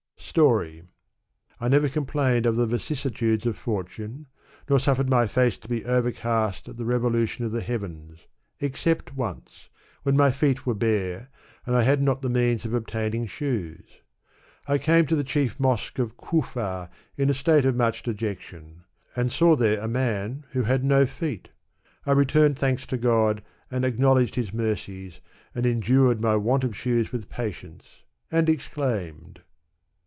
Story. I never complained of the vicissitudes of fortune, nor suflfered my face to be overcast at the revolution of the heavens, except once, when my feet were bare, and I had not the means of obtaining shoes. I came to the chief mosque of Kufah in a state of much dejec tion, and saw there a man who had no feet. I returned thanks to God and acknowledged his mercies, and endured my want of shoes with patience, and exclaimed.